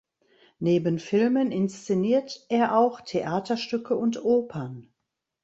Neben Filmen inszeniert er auch Theaterstücke und Opern.